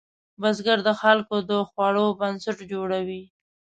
بزګر د خلکو د خوړو بنسټ جوړوي